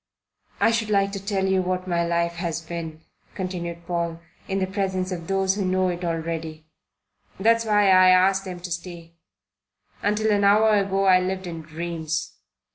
"I should like to tell you what my life has been," continued Paul, "in the presence of those who know it already. That's why I asked them to stay. Until an hour ago I lived in dreams.